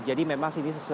jadi memang ini sesuai